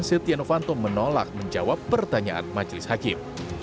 setia novanto menolak menjawab pertanyaan majelis hakim